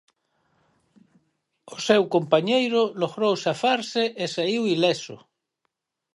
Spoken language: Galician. O seu compañeiro logrou zafarse e saíu ileso.